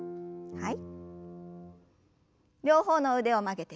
はい。